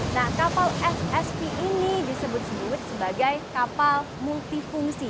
nah kapal ssv ini disebut sebagai kapal multifungsi